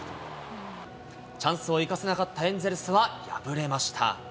チャンスを生かせなかったエンゼルスは敗れました。